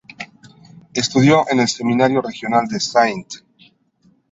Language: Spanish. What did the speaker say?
Estudió en el Seminario Regional de St.